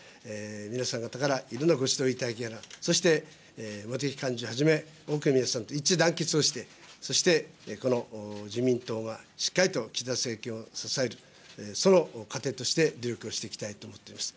皆さん方からいろんなご指導いただきながら、そして茂木幹事長はじめ、多くの皆さんと一致団結をして、そしてこの自民党がしっかりと岸田政権を支える、その糧として努力をしていきたいと思っております。